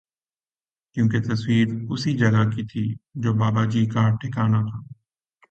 کیوں کہ تصویر اسی جگہ کی تھی جو باباجی کا ٹھکانہ تھا